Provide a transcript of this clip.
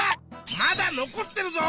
まだ残ってるぞ！